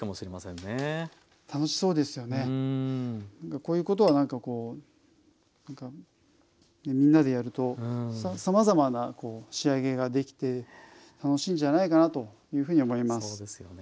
こういうことはなんかこうみんなでやるとさまざまな仕上げができて楽しいんじゃないかなというふうに思います。